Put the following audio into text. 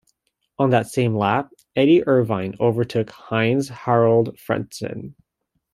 On the same lap Eddie Irvine overtook Heinz-Harald Frentzen.